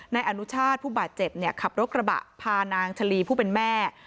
นายอนุชาติผู้บาดเจ็บขับรถกระบะพานางชะลีผู้เป็นแม่